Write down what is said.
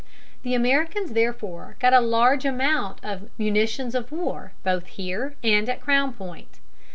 The Americans therefore got a large amount of munitions of war, both here and at Crown Point.